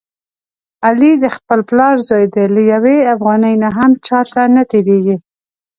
علي د خپل پلار زوی دی، له یوې افغانۍ نه هم چاته نه تېرېږي.